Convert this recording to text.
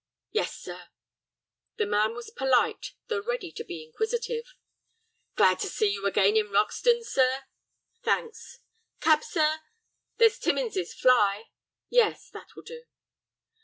"Yes, sir." The man was polite, though ready to be inquisitive. "Glad to see you again in Roxton, sir." "Thanks." "Cab, sir? There's Timmins's fly." "Yes, that will do."